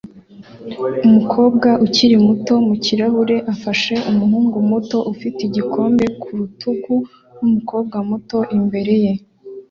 Umukobwa ukiri muto mu kirahure afashe umuhungu muto ufite igikombe ku rutugu n'umukobwa muto imbere ye